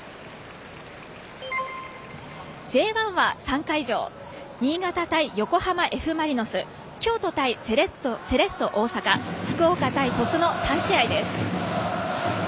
Ｊ１は３会場新潟対横浜Ｆ・マリノス京都対セレッソ大阪福岡対鳥栖の３試合です。